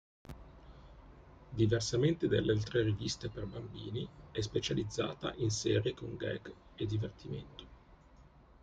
Diversamente dalle altre riviste per bambini, è specializzata in serie con gag e divertimento.